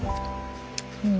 うん。